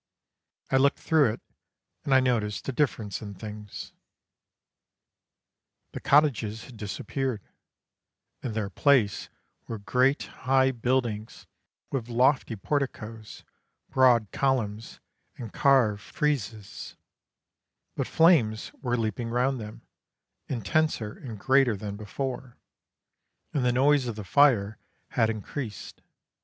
I looked through it and I noticed a difference in things: The cottages had disappeared; in their place were great high buildings with lofty porticos, broad columns and carved friezes, but flames were leaping round them, intenser and greater than before, and the noise of the fire had increased.